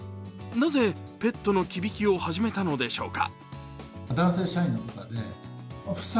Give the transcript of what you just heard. なぜ、ペットの忌引を始めたのでしょうか。